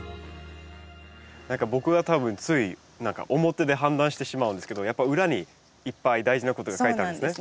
何か僕は多分つい表で判断してしまうんですけどやっぱ裏にいっぱい大事なことが書いてあるんですね。